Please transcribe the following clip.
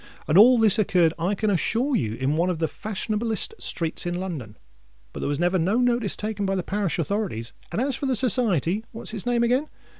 And all this occurred, I can assure you, in one of the fashion ablest streets in London. But there was never no notice taken by the parish authorities; and as for the Society—what's its name again?